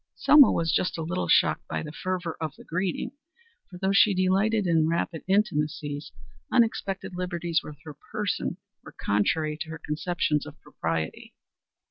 Selma was just a little shocked by the fervor of the greeting; for though she delighted in rapid intimacies, unexpected liberties with her person were contrary to her conceptions of propriety.